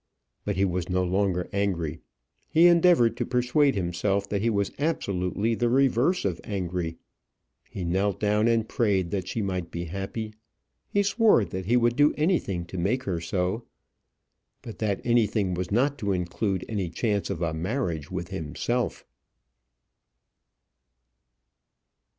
But he was no longer angry. He endeavoured to persuade himself that he was absolutely the reverse of angry. He knelt down and prayed that she might be happy. He swore that he would do anything to make her so. But that anything was not to include any chance of a marriage with himself.